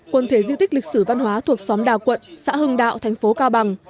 quần thể di tích lịch sử văn hóa thuộc xóm đào quận xã hưng đạo thành phố cao bằng